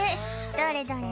「どれどれ？」